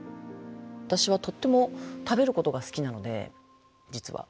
私はとっても食べることが好きなので実は。